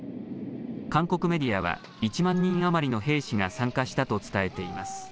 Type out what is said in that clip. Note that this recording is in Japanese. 韓国メディアは、１万人余りの兵士が参加したと伝えています。